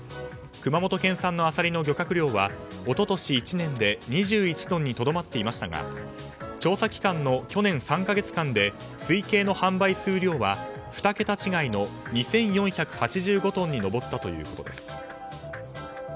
熊本県産のアサリの漁獲量は一昨年１年で２１トンにとどまっていましたが調査期間の去年３か月間で推計の販売数量は２桁違いの２４８５トンに上ったということです。